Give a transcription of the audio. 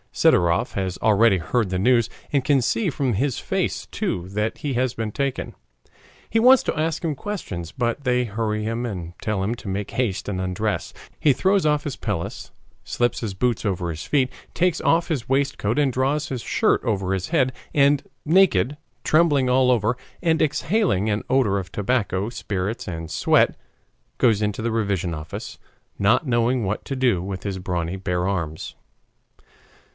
Sidorov has already heard the news, and can see from his face too that he has been taken. He wants to ask him questions, but they hurry him and tell him to make haste and undress. He throws off his pelisse, slips his boots off his feet, takes off his waistcoat and draws his shirt over his head, and naked, trembling all over, and exhaling an odor of tobacco, spirits, and sweat, goes into the revision office, not knowing what to do with his brawny bare arms.